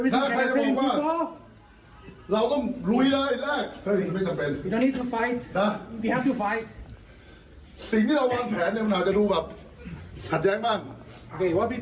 น่าใครจะบอกว่าเราก็ลุยได้แรกเห้ยมันไม่จำเป็นน่าสิ่งที่เราวางแผนเนี้ยมันอาจจะดูแบบขัดแย้งบ้าง